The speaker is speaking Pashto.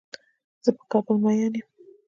زۀ په کابل مين يم.